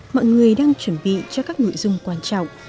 mọi người đang chuẩn bị cho các nội dung quan trọng